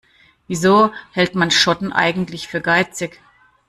Wieso hält man Schotten eigentlich für geizig?